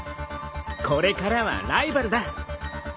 これからはライバルだ。